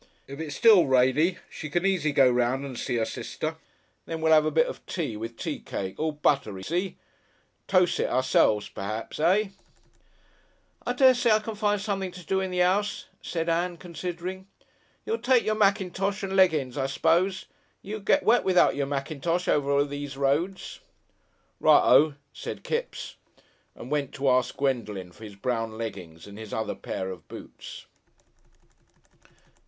If it's still rainy, she can easy go 'round and see 'er sister. Then we'll 'ave a bit of tea, with tea cake all buttery, see? Toce it ourselves, p'raps. Eh?" "I dessay I can find something to do in the 'ouse," said Ann, considering. "You'll take your mackintosh and leggin's, I s'pose. You'll get wet without your mackintosh over those roads." "Righ O," said Kipps, and went to ask Gwendolen for his brown leggings and his other pair of boots.